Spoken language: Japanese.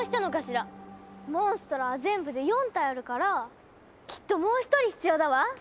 モンストロは全部で４体あるからきっともう１人必要だわ！